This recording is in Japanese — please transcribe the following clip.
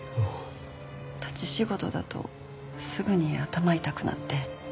立ち仕事だとすぐに頭痛くなって。